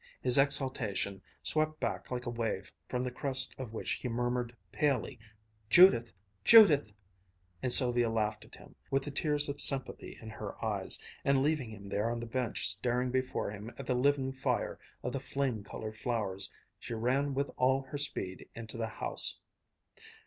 His exaltation swept back like a wave, from the crest of which he murmured palely, "Judith! Judith!" and Sylvia laughed at him, with the tears of sympathy in her eyes, and leaving him there on the bench staring before him at the living fire of the flame colored flowers, she ran with all her speed into the house.